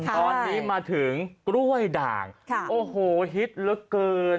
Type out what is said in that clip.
ตอนนี้มาถึงกล้วยด่างโอ้โหฮิตเหลือเกิน